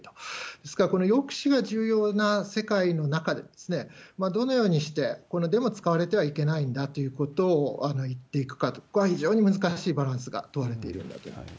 ですから、この抑止が重要な世界の中で、どのようにして、使われてはいけないんだということを言っていくかと、ここは非常に難しいバランスが問われているんだと思います。